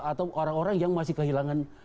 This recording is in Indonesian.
atau orang orang yang masih kehilangan